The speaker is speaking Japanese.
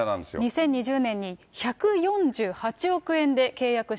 ２０２０年に１４８億円で契約しました。